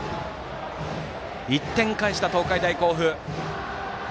１点返した東海大甲府。